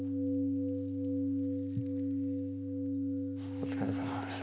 お疲れさまでした。